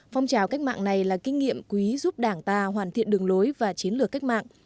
phong trào cách mạng này là kinh nghiệm quý giúp đảng ta hoàn thiện đường lối và chiến lược cách mạng